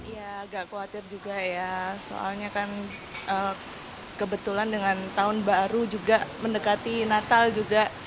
ya agak khawatir juga ya soalnya kan kebetulan dengan tahun baru juga mendekati natal juga